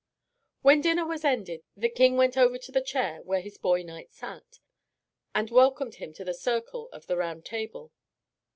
When dinner was ended, the King went over to the chair where his boy knight sat, and welcomed him to the circle of the Round Table.